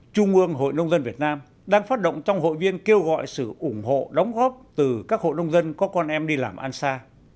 trung ương hội nông dân việt nam đang phát động trong hội viên kêu gọi sự ủng hộ đóng góp từ các hộ nông dân có con em đi làm ăn xa